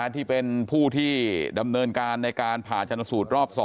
ที่เป็นผู้ที่ดำเนินการในการผ่าชนสูตรรอบ๒